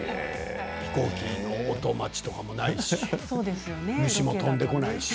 飛行機の音もこないし虫も飛んでこないし。